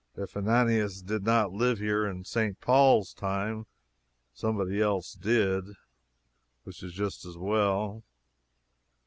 If Ananias did not live there in St. Paul's time, somebody else did, which is just as well.